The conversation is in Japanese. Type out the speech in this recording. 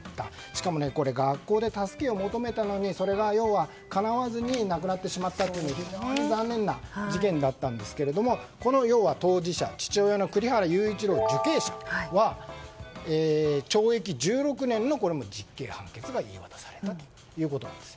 しかも学校で助けを求めたのにそれがかなわずに亡くなってしまったという非常に残念な事件でしたが当事者である父親の栗原勇一郎受刑者は懲役１６年の実刑判決が言い渡されたんです。